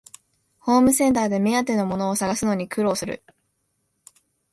ホームセンターで目当てのものを探すのに苦労する